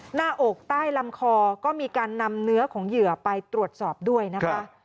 หน้าอกใต้ลำคอก็มีการนำเนื้อของเหยื่อไปตรวจสอบด้วยนะคะ